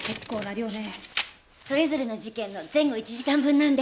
それぞれの事件の前後１時間分なんで。